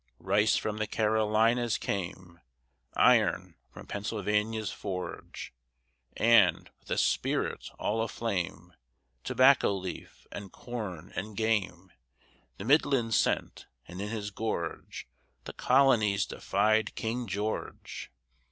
Rice from the Carolinas came, Iron from Pennsylvania's forge, And, with a spirit all aflame, Tobacco leaf and corn and game The Midlands sent; and in his gorge The Colonies defied King George!